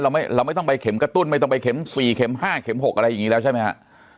เราไม่ต้องไปเข็มกระตุ้นไม่ต้องไปเข็ม๔เข็ม๕เข็ม๖อะไรอย่างนี้แล้วใช่ไหมฮะ